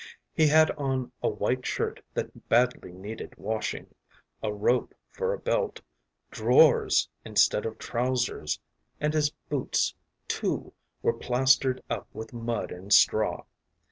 He had on a white shirt that badly needed washing, a rope for a belt, drawers instead of trousers, and his boots, too, were plastered up with mud and straw.